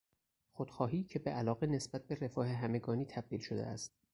خودخواهی که به علاقه نسبت به رفاه همگانی تبدیل شده است